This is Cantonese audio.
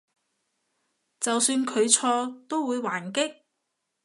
就算佢錯都會還擊？